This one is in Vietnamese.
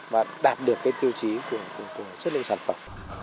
và đạt được cái tiêu chí của chất lượng sản phẩm